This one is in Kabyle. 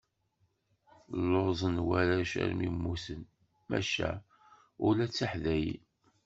Lluẓen warrac armi mmuten, maca ula d tiḥdayin.